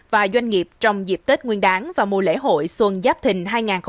và doanh nghiệp trong dịp tết nguyên đáng và mùa lễ hội xuân giáp thình hai nghìn hai mươi bốn